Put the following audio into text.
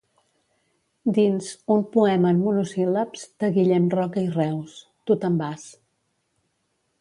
Dins «Un poema en monosíl·labs de Guillem Roca i Reus: Tu te'n vas.